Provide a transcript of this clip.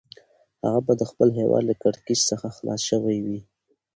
هغه به د خپل هیواد له کړکېچ څخه خلاص شوی وي.